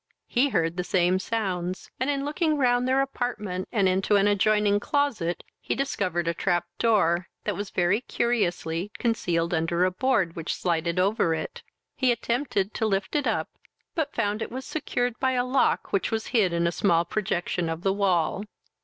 He heard the same sounds, and, in looking round their apartment, and into an adjoining closet, he discovered a trap door, that was very curiously concealed under a board, which slided over it. He attempted to lift it up, but found it was secured by a lock which was hid in a small projection of the wall.